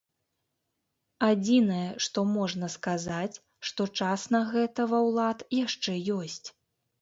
Адзінае, што можна сказаць, што час на гэта ва ўлад яшчэ ёсць.